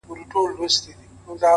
پوهېږمه په ځان د لېونو کانه راکېږي -